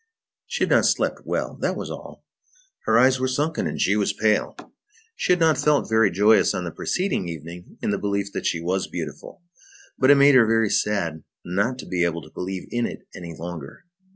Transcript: She had not slept well, that was all, her eyes were sunken and she was pale. She had not felt very joyous on the preceding evening in the belief that she was beautiful, but it made her very sad not to be able to believe in it any longer.